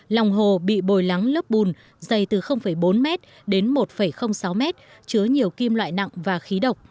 lòng hồ bị bồi lắng lớp bùn dày từ bốn m đến một sáu m chứa nhiều kim loại nặng và khí độc